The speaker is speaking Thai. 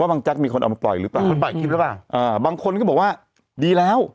ว่าบางแจ๊กมีคนเอามาปล่อยหรือเปล่ามันปล่อยกินแล้วป่ะอ่าบางคนก็บอกว่าดีแล้ว